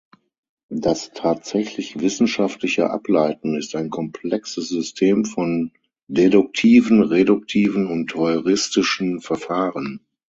Das tatsächlich wissenschaftliche Ableiten ist ein komplexes System von deduktiven, reduktiven und heuristischen Verfahren.